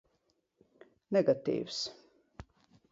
Negatīvs.